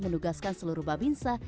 menugaskan seluruh babinsa